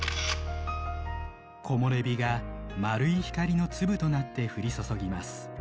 木漏れ日が丸い光の粒となって降り注ぎます。